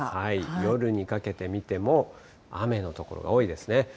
夜にかけて見ても、雨の所が多いですね。